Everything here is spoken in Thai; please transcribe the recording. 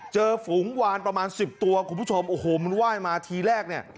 ฝูงวานประมาณสิบตัวคุณผู้ชมโอ้โหมันไหว้มาทีแรกเนี่ย